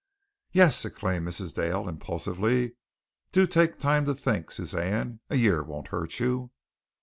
"Yes," exclaimed Mrs. Dale, impulsively, "do take time to think, Suzanne. A year won't hurt you."